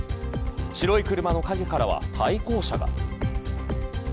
白い車の陰からは対向車が。